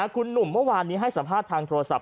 คุณหนุ่มเมื่อวานนี้ให้สัมภาษณ์ทางโทรศัพ